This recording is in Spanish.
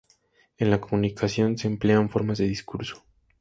En la comunicación se emplean formas de discurso.